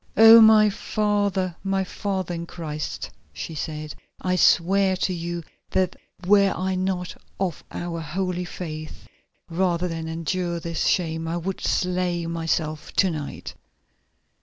"Oh! my father, my father in Christ," she said, "I swear to you that were I not of our holy faith, rather than endure this shame I would slay myself to night!